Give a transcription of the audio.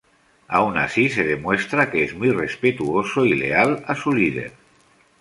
Aun así, se demuestra que es muy respetuoso y leal a su líder.